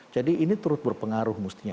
jadi ini terus berpengaruh mestinya